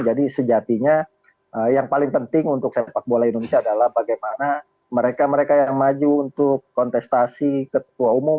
jadi sejatinya yang paling penting untuk sepak bola indonesia adalah bagaimana mereka mereka yang maju untuk kontestasi ketua umum